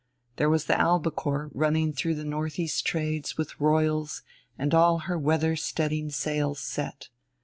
There was the Albacore running through the northeast trades with royals and all her weather studding sails set.